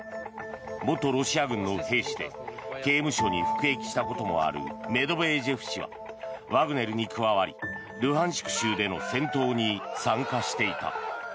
元ロシア軍の兵士で刑務所に服役したこともあるメドベージェフ氏はワグネルに加わりルハンシク州での戦闘に参加していた。